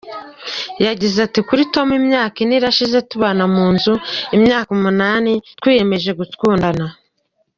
Yagize ati “ Kuri Tom, Imyaka ine irashize tubana mu nzu, imyaka umunani twiyemeje gukundana.